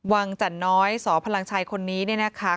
จันน้อยสพลังชัยคนนี้เนี่ยนะคะ